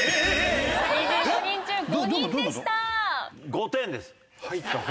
５点です。